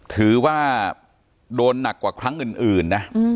ถือว่าโดนหนักกว่าครั้งอื่นนะ